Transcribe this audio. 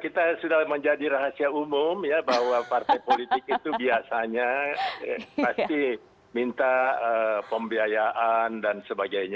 kita sudah menjadi rahasia umum ya bahwa partai politik itu biasanya pasti minta pembiayaan dan sebagainya